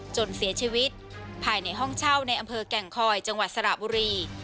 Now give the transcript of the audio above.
จนเสียชีวิตภายในห้องเช่าในอำเภอแก่งคอยจังหวัดสระบุรี